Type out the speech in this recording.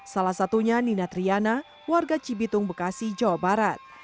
salah satunya nina triana warga cibitung bekasi jawa barat